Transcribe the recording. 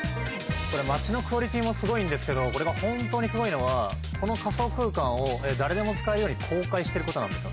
これ街のクオリティーもすごいんですけどこれがホントにすごいのはこの仮想空間を誰でも使えるように公開してることなんですよね。